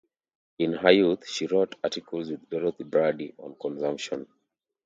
In her youth, she wrote articles with Dorothy Brady on consumption.